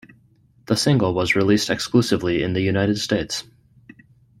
The single was released exclusively in the United States.